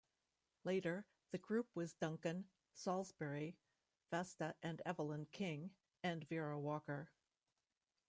Later, the group was Duncan, Saulsberry, Vesta and Evelyn King, and Vera Walker.